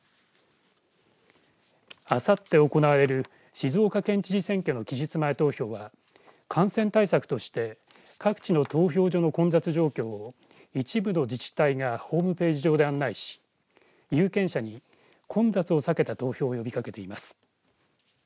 あさって行われる静岡県知事選挙の期日前投票は感染対策として各地の投票所の混雑状況を一部の自体がホームページ上で案内し有権者に混雑を避けた投票を呼びかけています。